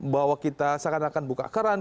bahwa kita seakan akan buka keran